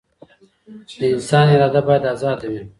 د انسان اراده بايد ازاده وي.